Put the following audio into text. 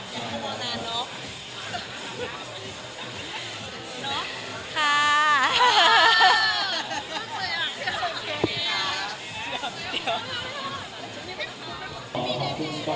ขอบคุณครับ